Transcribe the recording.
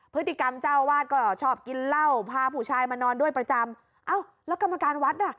พฤติกรรมเจ้าวาดก็ชอบกินเหล้าพาผู้ชายมานอนด้วยประจำอ้าวแล้วกรรมการวัดอ่ะ